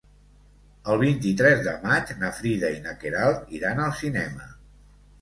El vint-i-tres de maig na Frida i na Queralt iran al cinema.